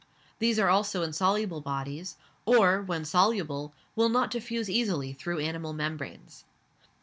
These also are insoluble bodies, or when soluble, will not diffuse easily through animal membranes.